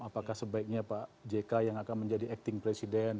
apakah sebaiknya pak jk yang akan menjadi acting presiden